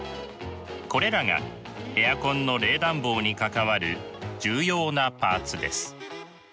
これらがエアコンの冷暖房に関わる重要なパーツです。